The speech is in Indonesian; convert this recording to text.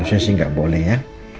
harusnya sih gak boleh ya